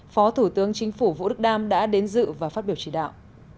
phó thủ tướng chính phủ vũ đức đam đã đến dự và phát biểu chỉ đạo